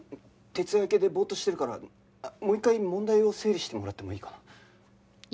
徹夜明けでボーッとしてるからもう一回問題を整理してもらってもいいかな？